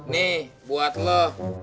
nih buat lo